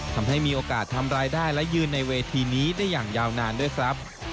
ทำให้มีโอกาสทำรายได้และยืนในเวทีนี้ได้อย่างยาวนานด้วยครับ